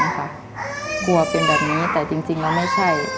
กลัวเป็นแบบนี้แต่จริงแล้วไม่ใช่